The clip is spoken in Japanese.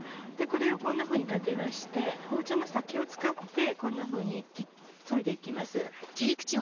これをこんなふうに立てまして包丁の先を使ってこんなふうにそいで行きます。